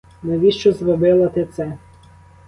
Навіщо зробила ти це?